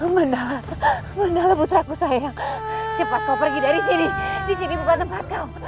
mandala mandala putraku sayang cepat kau pergi dari sini disini bukan tempat kau